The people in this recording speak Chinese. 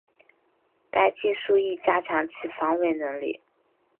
该技术亦加强其防伪能力。